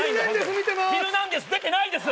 見てまーす「ヒルナンデス！」出てないです